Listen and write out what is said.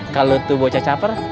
kalau tuh bocah caper